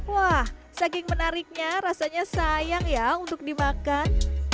wah saking menariknya rasanya sayang ya untuk dimakan